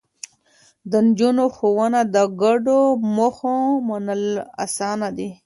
د نجونو ښوونه د ګډو موخو منل اسانه کوي.